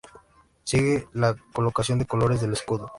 Sigue la colocación de colores del escudo.